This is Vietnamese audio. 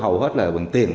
hầu hết là bằng tiền